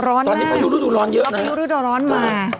ตอนนี้พายุฤดูร้อนเยอะนะพายุฤดูร้อนมา